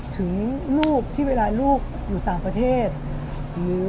ถึงลูกที่เวลาลูกอยู่ตามเขาจริง